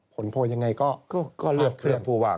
ผลโพลยังไงก็พลาดขึ้นก็เลือกเครื่องพูดว่า